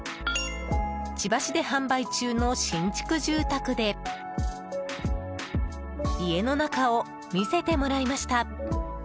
千葉市で販売中の新築住宅で家の中を見せてもらいました。